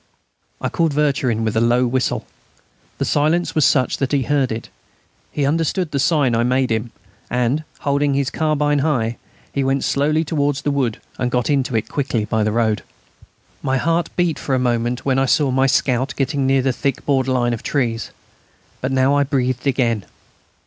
I called Vercherin with a low whistle. The silence was such that he heard it. He understood the sign I made him, and, holding his carbine high, he went slowly towards the wood and got into it quickly by the road. My heart beat for a moment when I saw my scout getting near the thick border line of trees; but now I breathed again.